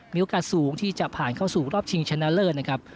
มีโอกาสสูงที่จะผ่านเข้าสู่รอบชิงชนะเลิศนะครับ